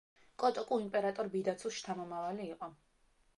კოტოკუ იმპერატორ ბიდაცუს შთამომავალი იყო.